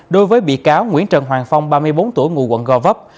đối với bị cáo nguyễn trần hoàng phong ba mươi bốn tuổi ngụ quận gò vấp